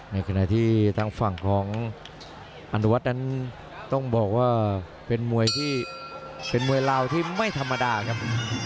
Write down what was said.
ในขณะที่ทางฝั่งของอนุวัฒน์ต้องบอกว่าเป็นมวยลาวที่ไม่ธรรมดาครับ